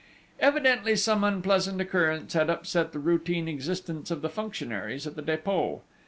Evidently some unpleasant occurrence had upset the routine existence of the functionaries at the Dépôt.